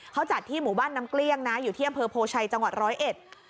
เขาจัดที่หมู่บ้านน้ำเกลี้ยงนะอยู่ที่อำเภอโพชัยจังหวัดร้อยเอ็ด